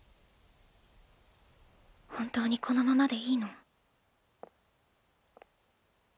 本当にこのままでいいの？